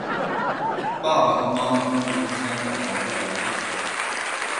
爸爸和妈妈分别牵着孩子的两只手